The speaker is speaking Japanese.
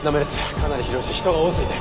かなり広いし人が多すぎて。